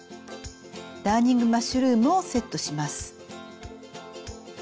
ダーニングマッシュルームをセットします。